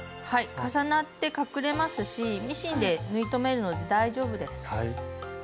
はい重なって隠れますしミシンで縫い留めるので大丈夫です。